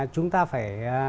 chúng ta phải